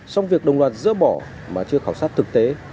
xong việc đồng loạt dỡ bỏ mà chưa khảo sát thực tế